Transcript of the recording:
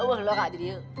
awah laura kadiu